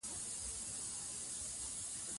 ازادي راډیو د کلتور د راتلونکې په اړه وړاندوینې کړې.